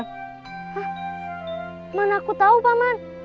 hah mana aku tahu paman